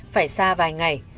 phải xa vài ngày